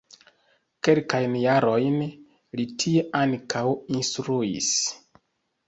Kelkajn jarojn li tie ankaŭ instruis.